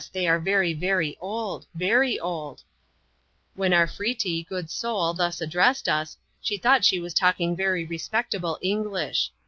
thej are very, very old ! very old !) When Arfretee, good soul, thus addressed us, she thought she was talking very respectable English.